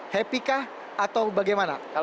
happy kah atau bagaimana